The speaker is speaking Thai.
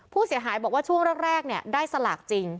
ผู้เสียหายบอกว่าช่วงแรกได้สลากจริง